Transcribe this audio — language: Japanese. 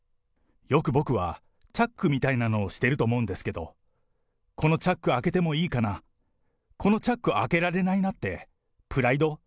よく僕はチャックみたいなのをしていると思うんですけれども、このチャック開けてもいいかな、このチャック開けられないなって、プライド？